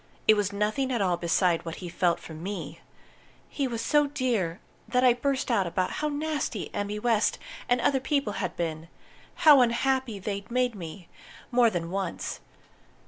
It was nothing at all beside what he felt for me. He was so dear that I burst out about how nasty Emmy West and other people had been how unhappy they'd made me, more than once.